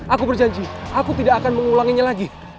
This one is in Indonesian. aku berjanji aku tidak akan mengulanginya lagi